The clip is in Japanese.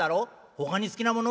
「ほかに好きなもの？